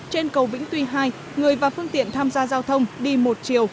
trên cầu vĩnh tuy hai người và phương tiện tham gia giao thông đi một chiều